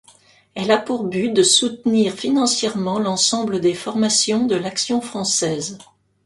Elle a pour but de soutenir financièrement l'ensemble des formations de l'Action française.